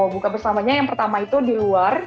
buka bersamanya yang pertama itu di luar